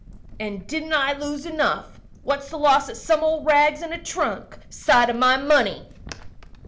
"And didn't I lose enough? What's the loss of some old rags, and a trunk, 'side of my money?"